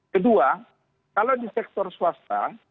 kedua kalau di sektor swasta